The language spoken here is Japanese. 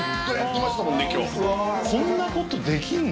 こんなことできんの？